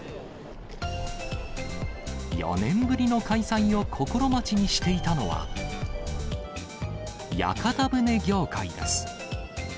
４年ぶりの開催を心待ちにしていたのは、屋形船業界です。